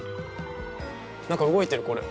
何か動いてるこれ。